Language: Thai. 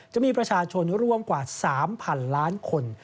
จะมีประชาชนร่วมกว่า๓๐๐๐ล้านคน